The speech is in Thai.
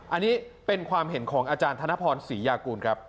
อันนี้เป็นความเห็นของอาจารย์ธนพรศรียากูลครับ